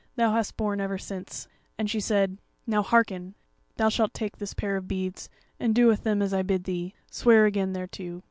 thou hast borne ever since; and she said: 'Now hearken! Thou shalt take this pair of beads, and do with them as I bid thee. Swear again thereto.'